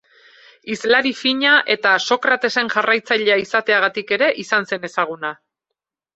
Hizlari fina eta Sokratesen jarraitzailea izateagatik ere izan zen ezaguna.